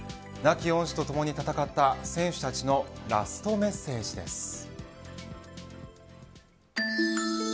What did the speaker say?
亡き恩師とともに戦った選手たちのラストメッセージです。